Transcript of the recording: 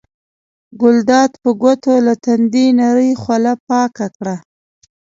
ګلداد په ګوتو له تندي نرۍ خوله پاکه کړه.